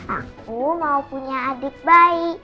aku mau punya adik baik